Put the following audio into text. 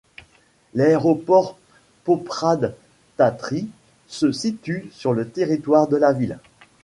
L'Aéroport Poprad-Tatry se situe sur le territoire de la ville.